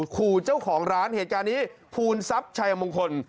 ขู่เจ้าของร้านเหตุการณ์นี้ภูมิทรัพย์ชัยมงคล